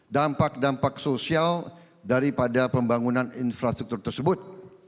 dampak dampak sosial daripada pembangunan infrastruktur tersebut